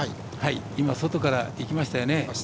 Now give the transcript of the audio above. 外からいきましたよね。